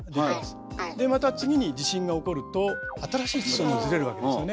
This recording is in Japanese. でまた次に地震が起こると新しい地層もずれるわけですよね。